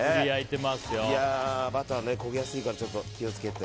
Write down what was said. バター焦げやすいからちょっと気を付けて。